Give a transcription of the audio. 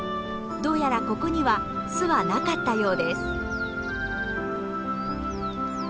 どうやらここには巣はなかったようです。